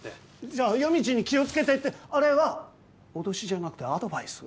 じゃあ「夜道に気をつけて」ってあれは脅しじゃなくてアドバイス？